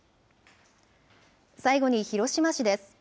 最後に広島市です。